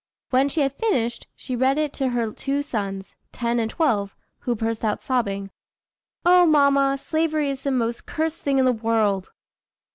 When she had finished, she read it to her two sons, ten and twelve, who burst out sobbing, "Oh! mamma, slavery is the most cursed thing in the world."